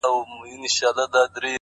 پاس توتكۍ راپسي مه ږغـوه!